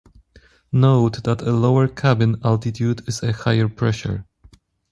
Note that a lower cabin altitude is a higher pressure.